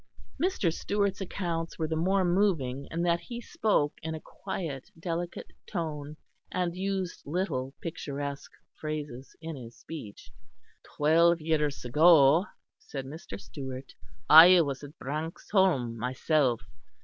Mr. Stewart's accounts were the more moving in that he spoke in a quiet delicate tone, and used little picturesque phrases in his speech. "Twelve years ago," said Mr. Stewart, "I was at Branxholme myself.